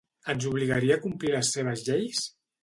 Ens obligaria a complir les seves lleis?